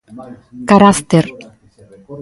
Carácter.